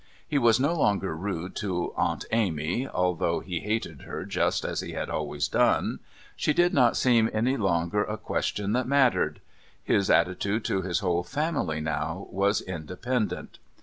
He was no longer rude to Aunt 'Amy, although he hated her just as he had always done. She did not seem any longer a question that mattered. His attitude to his whole family now was independent.